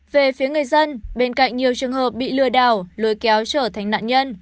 về phía người dân bên cạnh nhiều trường hợp bị lừa đảo lôi kéo trở thành nạn nhân